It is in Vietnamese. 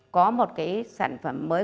có một cái sản phẩm mới